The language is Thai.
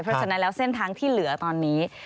เพราะฉะนั้นแล้วเส้นทางที่เหลือตอนนี้